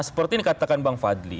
seperti ini katakan bang fadli